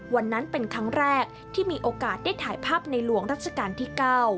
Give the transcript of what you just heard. วันนั้นเป็นครั้งแรกที่มีโอกาสได้ถ่ายภาพในหลวงรัชกาลที่๙